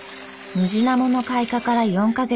ムジナモの開花から４か月。